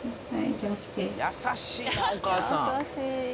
優しいなお母さん。